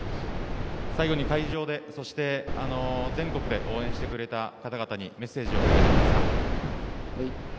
最後に会場で、そして全国で応援してくれた方々にメッセージをお願いできますか。